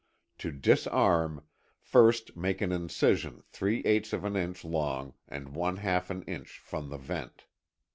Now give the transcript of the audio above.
To disarmŌĆöFirst make an incision three eighths of an inch long and one half an inch from the vent.